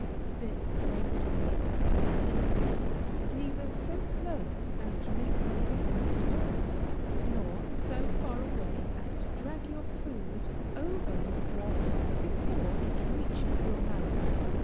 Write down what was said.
Sit gracefully at the table; neither so close as to make your movements awkward, nor so far away as to drag your food over your dress before it reaches your mouth.